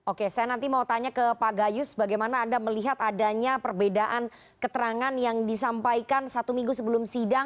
oke saya nanti mau tanya ke pak gayus bagaimana anda melihat adanya perbedaan keterangan yang disampaikan satu minggu sebelum sidang